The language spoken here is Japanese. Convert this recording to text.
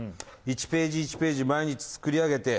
「１ページ１ページ毎日作り上げて」